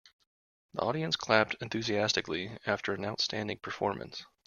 The audience clapped enthusiastically after an outstanding performance.